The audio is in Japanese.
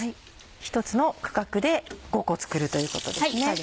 １つの区画で５個作るということですね。